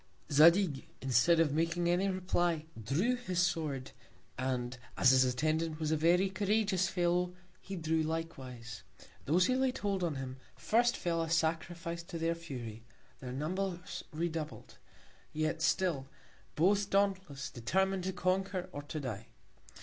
Zadig, instead of making any Reply, drew his Sword, and as his Attendant was a very couragious Fellow, he drew likewise. Those who laid hold on them, first fell a Sacrifice to their Fury: Their Numbers redoubled: Yet still, Both dauntless, determin'd to conquer or to die.